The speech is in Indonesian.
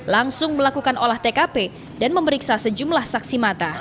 langsung melakukan olah tkp dan memeriksa sejumlah saksi mata